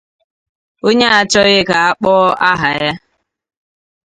onye achọghị ka a kpọọ aha ya